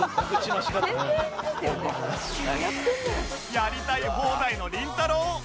やりたい放題のりんたろー。